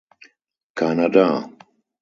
Keiner da.